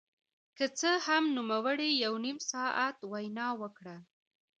که څه هم نوموړي یو نیم ساعت وینا وکړه